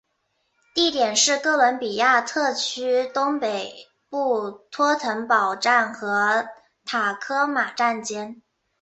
地点是哥伦比亚特区东北部托腾堡站和塔科马站间。